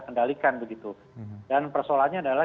kendalikan begitu dan persoalannya adalah